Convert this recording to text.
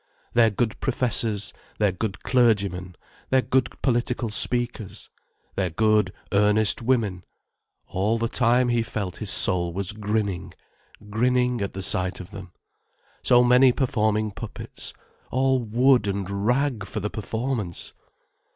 Their good professors, their good clergymen, their good political speakers, their good, earnest women—all the time he felt his soul was grinning, grinning at the sight of them. So many performing puppets, all wood and rag for the performance!